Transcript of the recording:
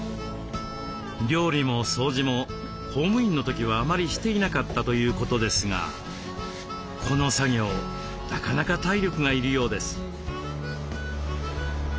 料理も掃除も公務員の時はあまりしていなかったということですがこの作業なかなか体力がいるようです。